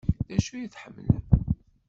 D acu ay tḥemmlem?